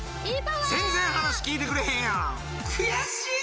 全然話聞いてくれへんやん悔しい！